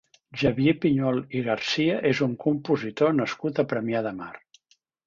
Xavier Piñol i Garcia és un compositor nascut a Premià de Mar.